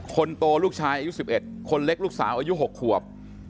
คนโตลูกชายอายุ๑๑คนเล็กลูกสาวอายุ๖ขวบ